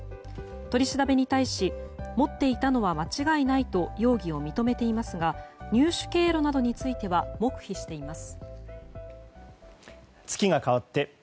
取り調べに対し持っていたのは間違いないと容疑を認めていますが入手経路については黙秘しています。